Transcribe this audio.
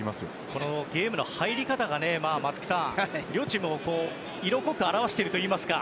このゲームの入り方が両チームを色濃く表しているといいますか。